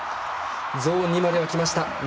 ゾーン２まではきました。